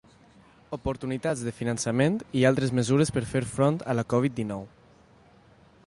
Oportunitats de finançament i altres mesures per fer front a la Covid dinou.